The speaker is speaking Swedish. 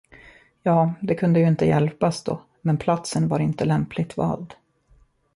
Ja, det kunde ju inte hjälpas då, men platsen var inte lämpligt vald.